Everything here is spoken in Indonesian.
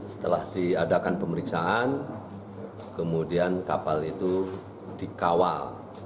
setelah diadakan pemeriksaan kemudian kapal itu dikawal